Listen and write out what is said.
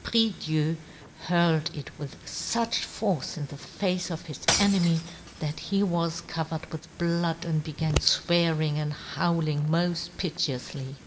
prie Dieu hurled it with fuch force in the face of his enemy that he was covered with blood, and began fwearing and howl ing moft piteoufly.